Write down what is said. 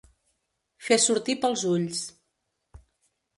Fer sortir pels ulls.